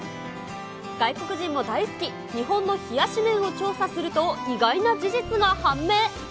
外国人も大好き、日本の冷やし麺を調査すると、意外な事実が判明。